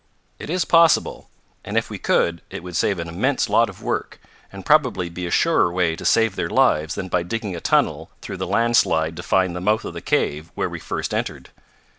It is possible, and if we could it would save an immense lot of work, and probably be a surer way to save their lives than by digging a tunnel through the landslide to find the mouth of the cave where we first entered."